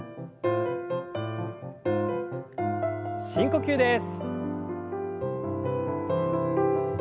深呼吸です。